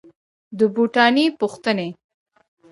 د بوټاني پوښتني